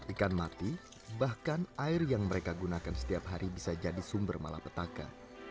ikan mati bahkan air yang mereka gunakan setiap hari bisa jadi sumber malapetaka